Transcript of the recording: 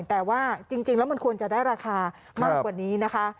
แต่ว่าจริงแล้วมันควรจะได้ราคามากกว่านี้นะคะ